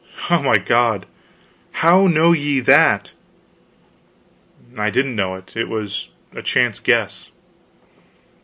"Ah, my God, how know ye that?" "I didn't know it; it was a chance guess."